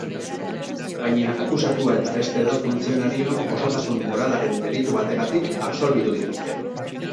Baina akusatua eta beste lau funtzionario osotasun moralaren delitu bategatik absolbitu dituzte.